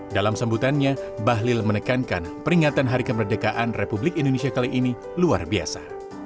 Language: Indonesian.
dalam sambutannya bahlil menekankan peringatan hari kemerdekaan republik indonesia kali ini luar biasa